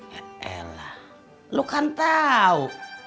ya elah lo kan tau